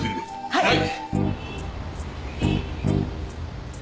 はい！